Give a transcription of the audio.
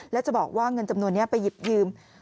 แล้วจะบอกว่าเงินจำนวนนี้ไปหยิบยืม